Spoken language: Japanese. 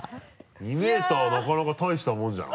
２ｍはなかなかたいしたもんじゃない？